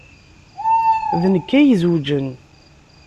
D nekk ay izewjen.